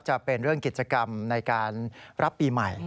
จะเป็นเรื่องกิจกรรมในการรับปีใหม่